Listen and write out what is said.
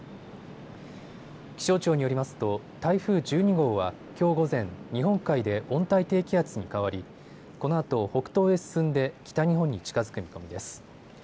気象庁によりますと台風１２号は、きょう午前、日本海で温帯低気圧に変わりこのあと北東へ進んで北日本に近づく見込みです。